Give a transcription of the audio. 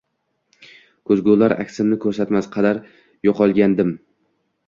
Ko’zgular aksimni ko’rsatmas qadar yo’qolgandim.